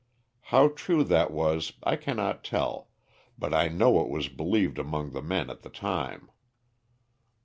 How true that was I cannot tell, but I know it was believed among the men at the time.